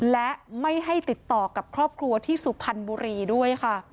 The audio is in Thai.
และไม่ให้ติดต่อกับครอบครัวที่สุพรรณบุรีด้วยค่ะ